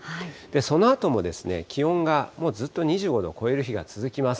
そのあとも気温がもうずっと２５度を超える日が続きます。